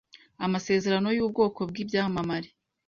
amasezerano y'ubwoko bw'ibyamamare,